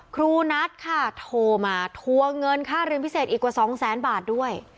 ครูนัทค่ะโทรมาทวงเงินค่าเรียนพิเศษอีกกว่าสองแสนบาทด้วย